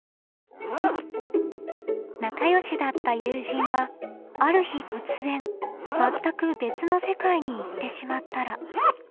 仲よしだった友人がある日突然全く別の世界に行ってしまったら。